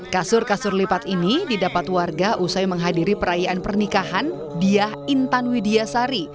kasur kasur lipat ini didapat warga usai menghadiri perayaan pernikahan diah intan widiasari